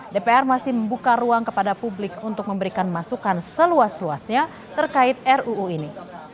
dpr masih membuka ruang kepada publik untuk memberikan masukan seluas luasnya terkait ruu ini